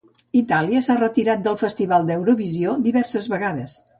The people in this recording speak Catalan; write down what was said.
Itàlia s'ha retirat del Festival d'Eurovisió diverses vegades.